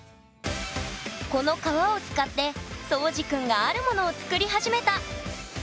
この革を使ってそうじくんがあるものを作り始めた。